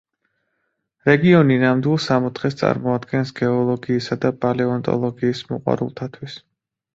რეგიონი ნამდვილ სამოთხეს წარმოადგენს გეოლოგიისა და პალეონტოლოგიის მოყვარულთათვის.